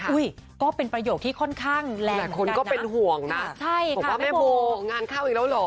อุ้ยก็เป็นประโยคที่ค่อนข้างแรงหลายคนก็เป็นห่วงนะบอกว่าแม่โบงานเข้าอีกแล้วเหรอ